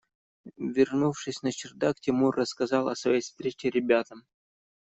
Вернувшись на чердак, Тимур рассказал о своей встрече ребятам.